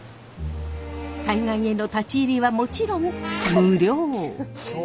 海岸への立ち入りはもちろん無料。